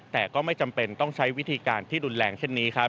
แต่ก็ไม่จำเป็นต้องใช้วิธีการที่รุนแรงเช่นนี้ครับ